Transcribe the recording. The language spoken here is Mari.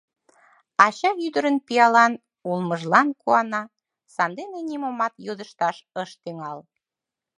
Ача ӱдырын пиалан улмыжлан куана, сандене нимомат йодышташ ыш тӱҥал.